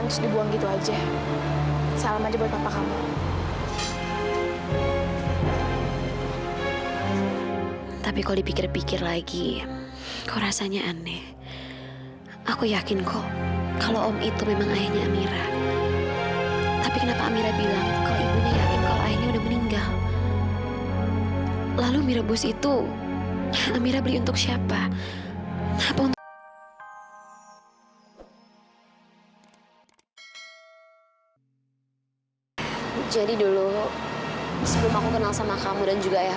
sampai jumpa di video selanjutnya